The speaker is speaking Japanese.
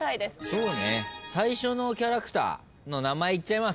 そうね最初のキャラクターの名前言っちゃいます。